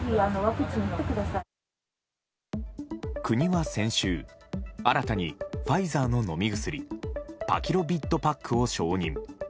国は先週、新たにファイザーの飲み薬パキロビッドパックを承認。